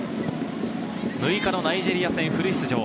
６日のナイジェリア戦はフル出場。